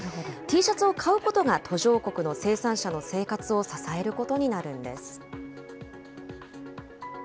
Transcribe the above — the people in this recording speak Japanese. Ｔシャツを買うことが途上国の生産者の生活を支えることになるんです。